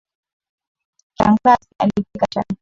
Shangazi alipika chai.